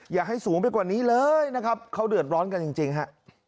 อย่าให้สูงไปกว่านี้เลยนะครับเขาเดือดร้อนกันจริงฮะ